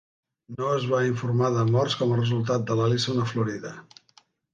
No es va informar de morts com a resultat de l'Allison a Florida.